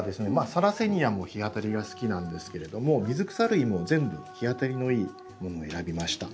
サラセニアも日当たりが好きなんですけれども水草類も全部日当たりのいいものを選びました。